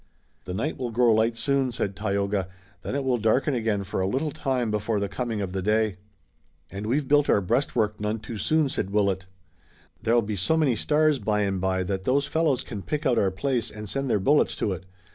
"The night will grow light soon," said Tayoga, "then it will darken again for a little time before the coming of the day." "And we've built our breastwork none too soon," said Willet. "There'll be so many stars by and by that those fellows can pick out our place and send their bullets to it.